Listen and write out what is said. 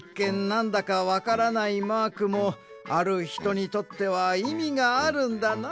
なんだかわからないマークもあるひとにとってはいみがあるんだな。